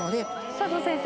佐藤先生。